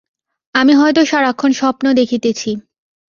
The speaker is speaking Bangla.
আমি হয়তো সারাক্ষণ স্বপ্ন দেখিতেছি।